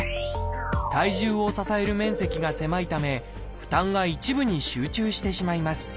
体重を支える面積が狭いため負担が一部に集中してしまいます。